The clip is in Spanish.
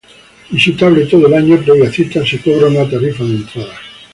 Visitable todo el año previa cita, se cobra una tarifa de entrada..